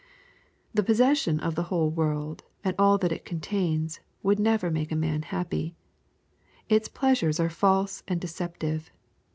The possession of the whole world, and all that it contains, would never make a man happy. Its pleasures are false and deceptive.